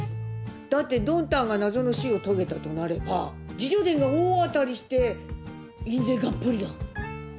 だってドンタンが謎の死を遂げたとなれば自叙伝が大当たりして印税がっぽりよ。